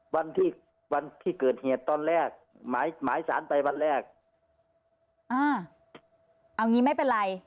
วันที่วันที่เกิดเหตุตอนแรกหมายหมายสารไปวันแรกอ่าเอางี้ไม่เป็นไร